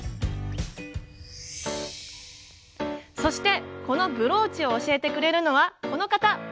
そしてこのブローチを教えてくれるのはこの方。